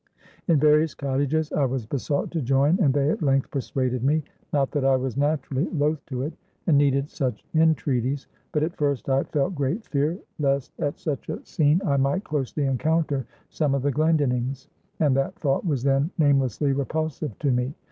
In various cottages, I was besought to join; and they at length persuaded me; not that I was naturally loth to it, and needed such entreaties; but at first I felt great fear, lest at such a scene I might closely encounter some of the Glendinnings; and that thought was then namelessly repulsive to me.